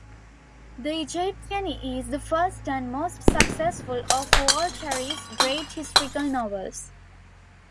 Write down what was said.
The Egyptian is the first and the most successful, of Waltari's great historical novels.